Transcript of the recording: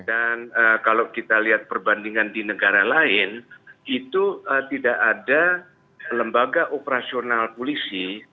kalau kita lihat perbandingan di negara lain itu tidak ada lembaga operasional polisi